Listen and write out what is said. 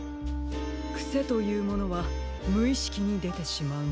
くせというものはむいしきにでてしまうもの。